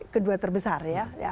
kedua terbesar ya